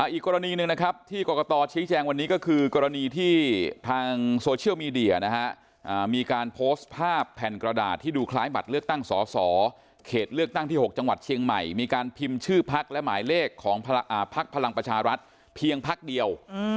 อีกกรณีหนึ่งนะครับที่กรกตชี้แจงวันนี้ก็คือกรณีที่ทางโซเชียลมีเดียนะฮะมีการโพสต์ภาพแผ่นกระดาษที่ดูคล้ายบัตรเลือกตั้งสอสอเขตเลือกตั้งที่๖จังหวัดเชียงใหม่มีการพิมพ์ชื่อพักและหมายเลขของพักพลังประชารัฐเพียงพักเดียว